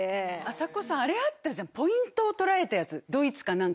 あさこさんあれあったじゃんポイントを取られたやつ。